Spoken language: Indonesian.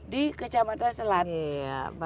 di kecamatan selat